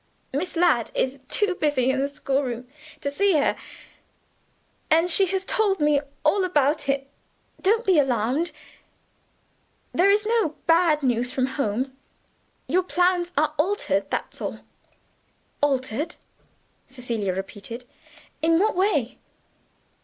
Miss Ladd is too busy in the schoolroom to see her and she has told me all about it. Don't be alarmed. There is no bad news from home. Your plans are altered; that's all." "Altered?" Cecilia repeated. "In what way?"